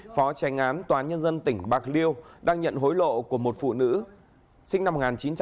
phó tranh án tòa nhân dân tỉnh bạc liêu đang nhận hối lộ của một phụ nữ sinh năm một nghìn chín trăm tám mươi